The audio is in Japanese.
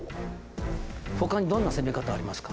他にどんな攻め方ありますか？